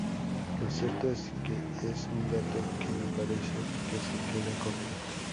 Lo cierto es que es un dato que me parece que se queda corto